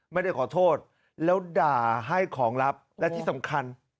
ไม่ได้ขอโทษแล้วด่าให้ของลับและที่สำคัญ